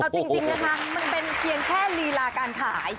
เอาจริงนะคะมันเป็นเพียงแค่ลีลาการขาย